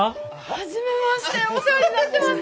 初めましてお世話になってます！